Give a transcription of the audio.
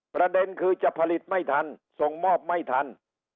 ประเด็นคือจะผลิตไม่ทันส่งมอบไม่ทัน